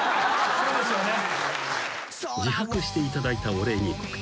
［自白していただいたお礼に告知］